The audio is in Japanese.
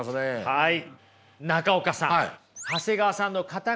はい。